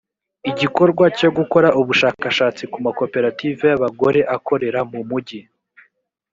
igikorwa cyo gukora ubushakashatsi ku makoperative y abagore akorera mu mujyi